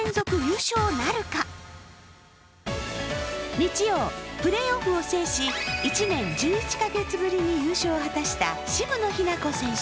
日曜、プレーオフを制し１年１１カ月ぶりに優勝を果たした渋野日向子選手。